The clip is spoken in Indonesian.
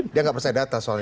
dia nggak percaya data soalnya